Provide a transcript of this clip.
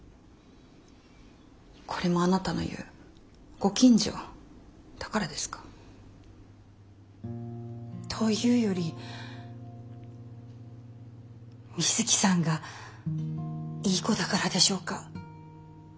これもあなたの言うご近所だからですか？というよりみづきさんがいい子だからでしょうか。